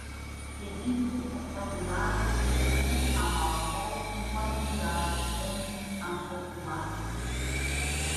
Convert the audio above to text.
Evite a claridade e a exposição ao sol enquanto durar a infecção ocular